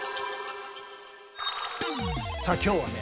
さあ今日はね